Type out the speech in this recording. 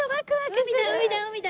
海だ！